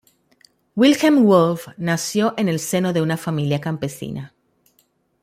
Wilhelm Wolff nació en el seno de una familia campesina.